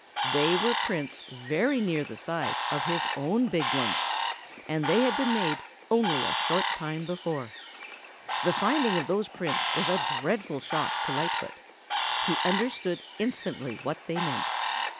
They were prints very near the size of his own big ones, and they had been made only a short time before. The finding of those prints was a dreadful shock to Lightfoot. He understood instantly what they meant.